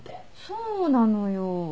そうなのよ。